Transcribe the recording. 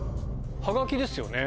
はがきですよね？